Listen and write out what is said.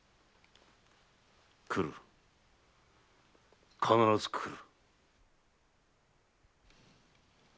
来る必ず来る。